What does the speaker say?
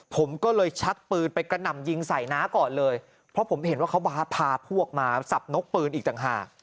ผมก็เลยชักปืนไปกระหน่ำยิงใส่น้าก่อนเลยเพราะผมเห็นว่าเขาพาพวกมาสับนกปืนอีกต่างหาก